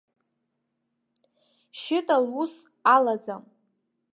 Шьыта лус алаӡам!